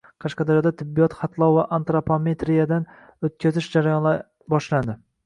Qashqadaryoda tibbiy xatlov va antropometriyadan o‘tkazish jarayonlari boshlandi